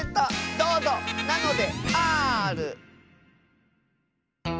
どうぞなのである！